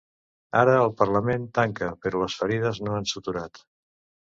Ara el parlament tanca, però les ferides no han suturat.